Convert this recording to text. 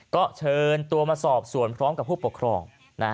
ก็เชิญตัวมาสอบส่วนพร้อมกับผู้ปกครอง